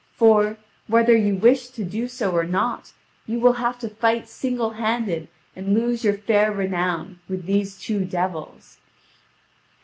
For, whether you wish to do so or not, you will have to fight singlehanded and lose your fair renown with these two devils."